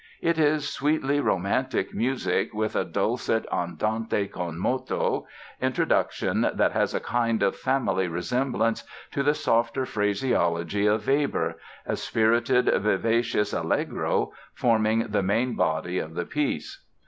It is sweetly romantic music, with a dulcet andante con moto introduction that has a kind of family resemblance to the softer phraseology of Weber, a spirited, vivacious allegro forming the main body of the piece.